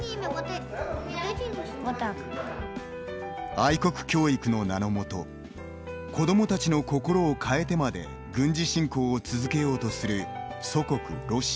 愛国教育の名の下子どもたちの心を変えてまで軍事侵攻を続けようとする祖国ロシア。